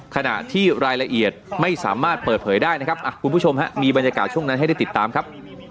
ขณะที่รายละเอียดไม่สามารถเปิดเผยได้นะครับคุณผู้ชมฮะมีบรรยากาศช่วงนั้นให้ได้ติดตามครับ